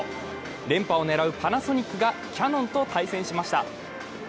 連覇を狙うパナソニックがキヤノンと対戦しました。